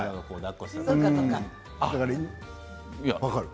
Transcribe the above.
分かる？